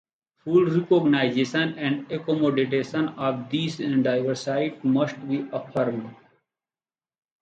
Full recognition and accommodation of these diversities must be affirmed.